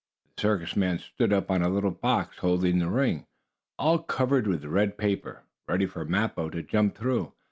The circus man stood up on a little box, holding the ring, all covered with red paper, ready for Mappo to jump through.